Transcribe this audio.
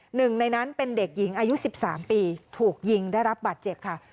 หนึ่งในนั้นเป็นเด็กหญิงอายุ๑๓ปีถูกยิงได้รับบาดเจ็บค่ะ